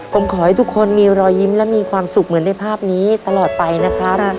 ผมขอให้ทุกคนมีรอยยิ้มและมีความสุขเหมือนในภาพนี้ตลอดไปนะครับ